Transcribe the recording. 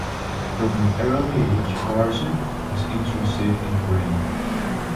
From an early age Barson was interested in the brain.